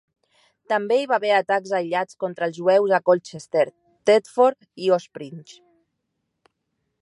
També hi va haver atacs aïllats contra els jueus a Colchester, Thetford i Ospringe.